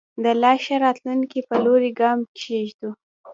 د لا ښه راتلونکي په لوري ګام کېږدو.